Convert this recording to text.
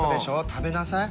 食べなさい。